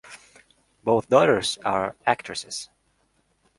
Both daughters are actresses.